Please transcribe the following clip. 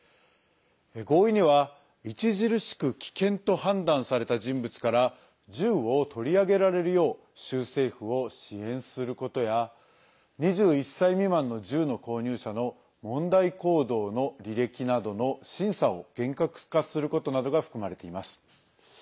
合意には著しく危険と判断された人物から銃を取り上げられるよう州政府を支援することや２１歳未満の銃の購入者の問題行動の履歴などの審査を厳格化することなどが含まれています。